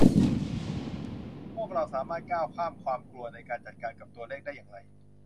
พวกเราสามารถก้าวข้ามความกลัวในการจัดการกับตัวเลขได้อย่างไร